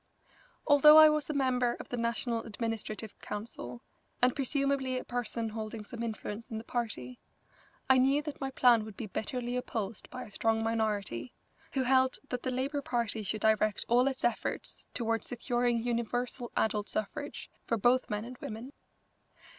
Although I was a member of the National Administrative Council and presumably a person holding some influence in the party, I knew that my plan would be bitterly opposed by a strong minority, who held that the Labour Party should direct all its efforts toward securing universal adult suffrage for both men and women.